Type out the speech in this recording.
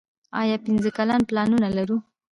آیا پنځه کلن پلانونه لرو؟